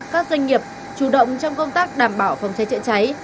các doanh nghiệp chủ động trong công tác đảm bảo phòng cháy chữa cháy